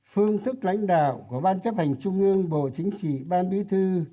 phương thức lãnh đạo của ban chấp hành trung ương bộ chính trị ban bí thư